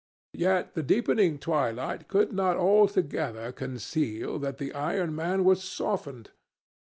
Yet the deepening twilight could not altogether conceal that the iron man was softened.